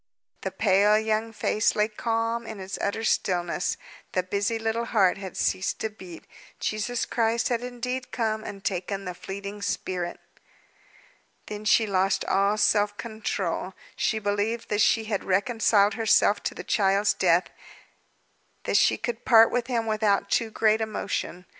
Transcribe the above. The pale young face lay calm in its utter stillness; the busy little heart had ceased to beat. Jesus Christ had indeed come and taken the fleeting spirit. Then she lost all self control. She believed that she had reconciled herself to the child's death, that she could part with him without too great emotion.